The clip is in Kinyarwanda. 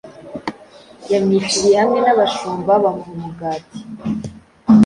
Yamwitiriye hamwe nabashumba bamuha umugati